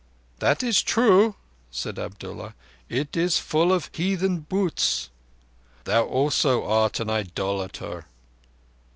"That is true," said Abdullah. "It is full of heathen būts. Thou also art an idolater."